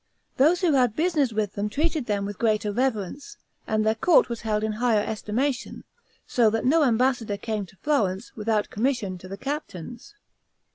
Those who had business with them treated them with greater reverence, and their court was held in higher estimation: so that no ambassador came to Florence, without commission to the captains.